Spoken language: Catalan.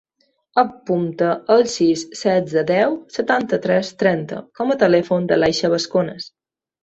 Apunta el sis, setze, deu, setanta-tres, trenta com a telèfon de l'Aixa Bascones.